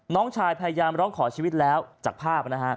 น้องชายพยายามร้องขอชีวิตแล้วจากภาพนะฮะ